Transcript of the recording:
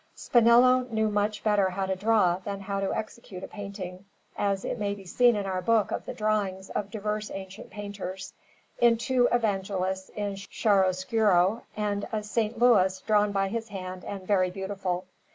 Spinello knew much better how to draw than how to execute a painting, as it may be seen in our book of the drawings of diverse ancient painters, in two Evangelists in chiaroscuro and a S. Louis, drawn by his hand and very beautiful.